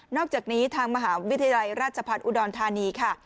อกจากนี้ทางมหาวิทยาลัยราชพัฒน์อุดรธานีค่ะ